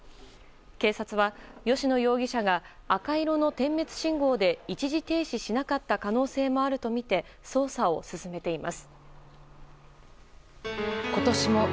警察は、吉野容疑者が赤色の点滅信号で一時停止しなかった可能性もあるとみて捜査を進めています。